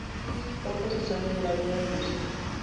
Poco se sabe de la vida de Marcelo.